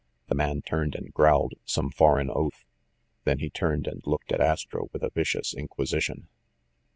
The man turned and growled some foreign oath. Then he turned and looked at Astro with a vicious inquisi tion.